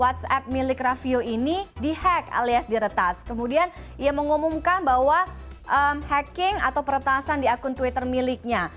whatsapp milik raffio ini di hack alias diretas kemudian ia mengumumkan bahwa hacking atau peretasan di akun twitter miliknya